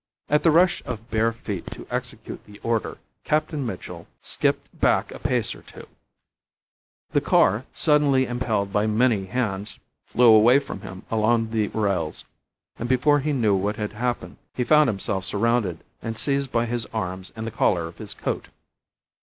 At the rush of bare feet to execute the order Captain Mitchell skipped back a pace or two; the car, suddenly impelled by many hands, flew away from him along the rails, and before he knew what had happened he found himself surrounded and seized by his arms and the collar of his coat.